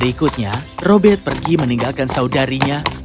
hari berikutnya robert pergi meninggalkan saudarinya dan menikah